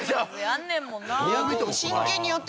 やんねんもんな。